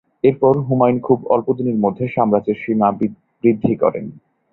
এরপর, হুমায়ুন খুব অল্পদিনের মধ্যে সাম্রাজ্যের সীমা বৃদ্ধি করেন।